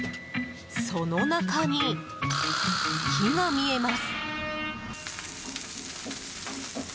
その中に火が見えます！